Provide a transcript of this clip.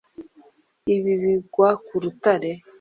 Ibi bigwa ku rutare